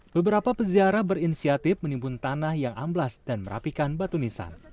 beberapa peziarah berinisiatif menimbun tanah yang amblas dan merapikan batu nisan